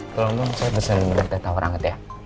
tolong saya pesan medetet awar hangat ya